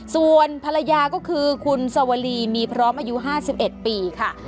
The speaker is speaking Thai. ส่วนภรรยาก็คือคุณสวรีมีพร้อมอายุ๕๑ปีค่ะ